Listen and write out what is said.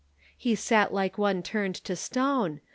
"He sat like one turned to stone.